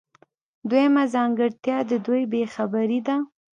دویمه ځانګړتیا د دوی بې خبري ده.